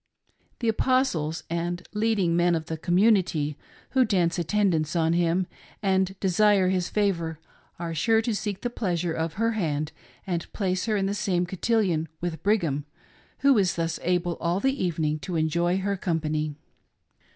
The Apostles and leading men of the community, who dance attendance on him and desire his favor, are sure to seek the pleasure of her hand and place her in the same cotillion with Brigham, who is thus able all the evening to enjoy her company.